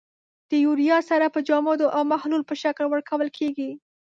د یوریا سره په جامدو او محلول په شکل ورکول کیږي.